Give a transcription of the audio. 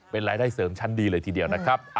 เป็นรายได้เสริมชั้นดีเลยทีเดียวนะครับ